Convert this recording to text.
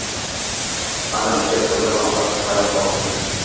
Ana ukasi bilan opasi qarab olsin